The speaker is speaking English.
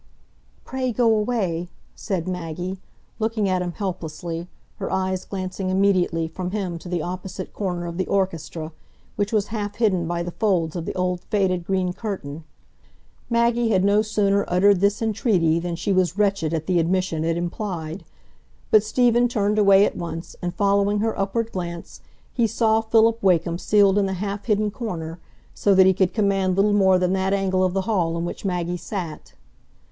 "Pray, go away," said Maggie, looking at him helplessly, her eyes glancing immediately from him to the opposite corner of the orchestra, which was half hidden by the folds of the old faded green curtain. Maggie had no sooner uttered this entreaty than she was wretched at the admission it implied; but Stephen turned away at once, and following her upward glance, he saw Philip Wakem sealed in the half hidden corner, so that he could command little more than that angle of the hall in which Maggie sat.